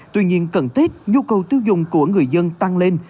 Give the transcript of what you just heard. tuy nhiên cận tết nhu cầu tiêu dùng của người dân tăng lên